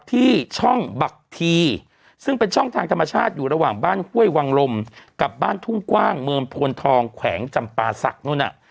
ที่ช่องบักทีซึ่งเป็นช่องทางธรรมชาติอยู่ระหว่างบ้านห้วยวังลมกับบ้านทุ่งกว้างเมืองโพนทองแขวงจำปาศักดิ์นู้นน่ะ